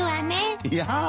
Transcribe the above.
いや。